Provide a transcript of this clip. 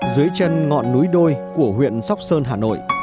dưới chân ngọn núi đôi của huyện sóc sơn hà nội